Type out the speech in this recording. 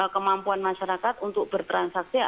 kemampuan masyarakat untuk bertransaksi